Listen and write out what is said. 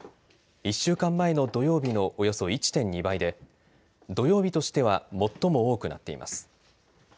１週間前の土曜日のおよそ１．２倍で土曜日としては最も多くなっています。